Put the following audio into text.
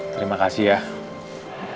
terima kasih ya